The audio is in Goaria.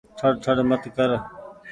ٺڙ ٺڙ مت ڪر ۔